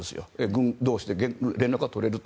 軍同士で連絡は取れると。